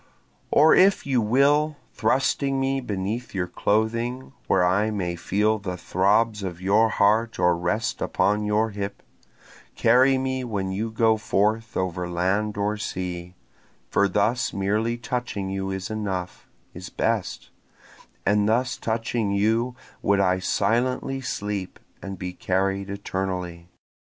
Or if you will, thrusting me beneath your clothing, Where I may feel the throbs of your heart or rest upon your hip, Carry me when you go forth over land or sea; For thus merely touching you is enough, is best, And thus touching you would I silently sleep and be carried eternally.